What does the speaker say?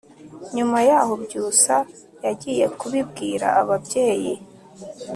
Nyuma yaho Byusa yagiye kubibwira ababyeyi